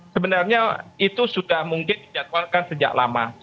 sebenarnya itu sudah mungkin dijadwalkan sejak lama